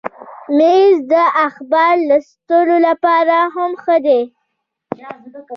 مېز د اخبار لوستلو لپاره هم ښه دی.